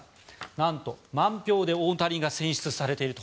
なんと満票で大谷が選出されていると。